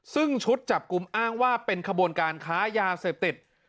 ซึ่งชุดจับกลุ่มอ้างว่าเป็นขบวนการค้ายาเสพติด